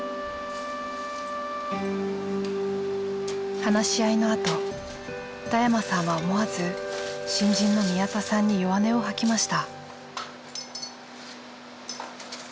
話し合いのあと田山さんは思わず新人の宮田さんに弱音を吐きました。